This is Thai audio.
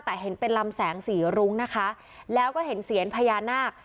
แต่เห็นเป็นลำแสงสีรุ้งนะคะแล้วก็เห็นเสียนพญานาค